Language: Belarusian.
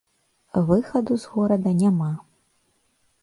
Выхаду з горада няма.